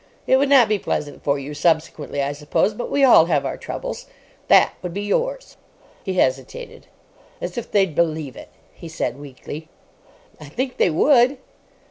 It would not be pleasant for you subsequently, I suppose, but we all have our troubles. That would be yours." He hesitated. "As if they'd believe it," he said, weakly. "I think they would."